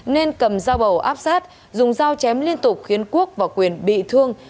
nên cầm dao bầu áp sát dùng dao chém liên tục khiến quốc và quyền bị thương